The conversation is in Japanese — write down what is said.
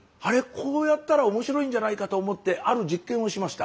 こうやったら面白いんじゃないかと思ってある実験をしました。